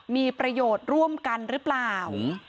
มีประโยชน์ร่วมกันหรือเปล่า